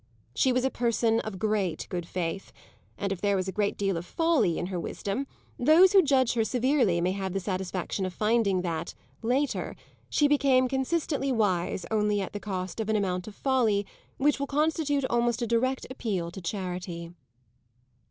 She was a person of great good faith, and if there was a great deal of folly in her wisdom those who judge her severely may have the satisfaction of finding that, later, she became consistently wise only at the cost of an amount of folly which will constitute almost a direct appeal to charity.